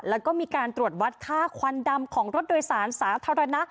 แล้วก็มีการตรวจวัดค่าควันดำของรถโดยสารสาธารณะ